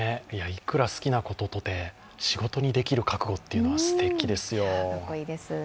いくら好きなこととて仕事にできる覚悟っていうのは素敵ですよ。